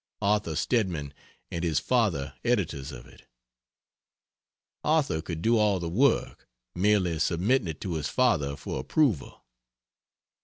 Arthur Stedman and his father editors of it. Arthur could do all the work, merely submitting it to his father for approval.